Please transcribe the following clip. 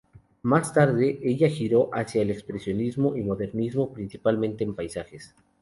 Más tarde, ella giró hacia el expresionismo y modernismo, principalmente en paisajes.